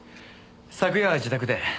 昨夜自宅で。